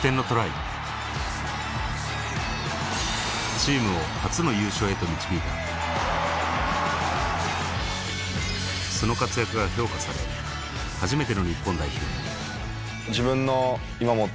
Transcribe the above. チームを初の優勝へと導いたその活躍が評価されどこまで。